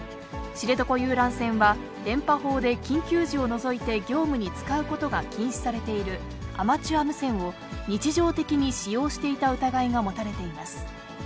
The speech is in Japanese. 知床遊覧船は、電波法で緊急時を除いて業務に使うことが禁止されているアマチュア無線を、日常的に使用していた疑いが持たれています。